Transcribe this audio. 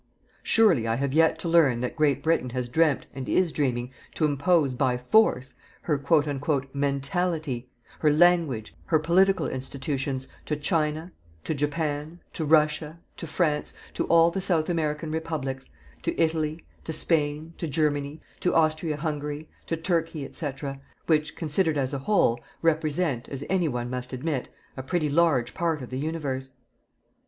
Surely, I have yet to learn that Great Britain has dreamt, and is dreaming, to impose by Force her "mentality," her language, her political institutions to China, to Japan, to Russia, to France, to all the South American Republics, to Italy, to Spain, to Germany, to Austria Hungary, to Turkey, &c., which, considered as a whole, represent, any one must admit, a pretty large part of the universe.